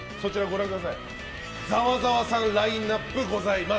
ざわざわさんラインナップございます。